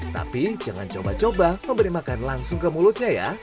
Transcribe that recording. tapi jangan coba coba memberi makan langsung ke mulutnya ya